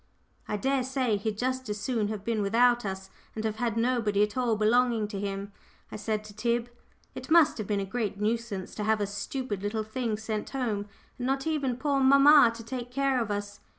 "I dare say he'd just as soon have been without us, and have had nobody at all belonging to him," I said to Tib. "It must have been a great nuisance to have us stupid little things sent home, and not even poor mamma to take care of us.